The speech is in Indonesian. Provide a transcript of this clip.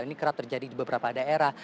ini kerap terjadi di beberapa daerah